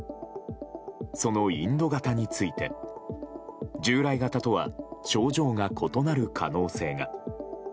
そのインド型について従来型とは症状が異なる可能性が。